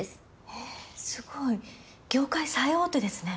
えっすごい業界最大手ですね。